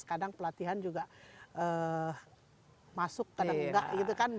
kadang pelatihan juga masuk kadang enggak gitu kan